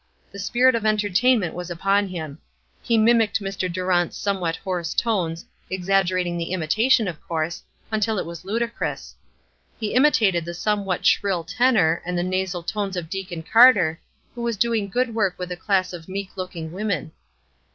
The spirit of entertainment was upon him. He mimicked Mr. Durant's somewhat hoarse tones, exaggerating the imitation, of course, until it was ludicrous. He imitated the somewhat shrill tenor, and the nasal tones of Deacon Carter, who was doing good work with a class of meek looking women.